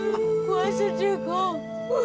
gue sedih kong